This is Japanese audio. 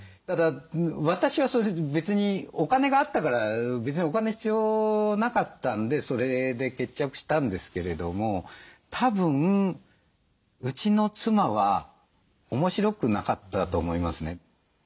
ただ私はそういうふうに別にお金があったから別にお金必要なかったんでそれで決着したんですけれどもたぶんうちの妻は面白くなかったと思いますね。